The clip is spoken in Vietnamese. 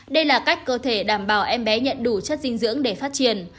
đây là cách cơ thể đảm bảo em bé nhận đủ chất dinh dưỡng để phát triển